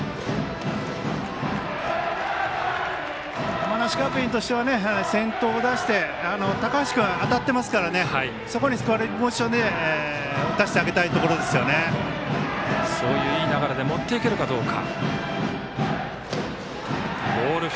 山梨学院としては先頭を出して高橋君、当たってますからそこにスコアリングポジションでそういう、いい流れに持っていけるかどうか。